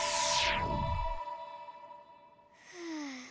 ふう。